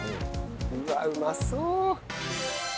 うわっうまそう！